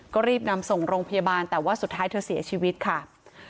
ก็รีบนำส่งโรงพยาบาลแต่ว่าสุดท้ายเธอเสียชีวิตค่ะ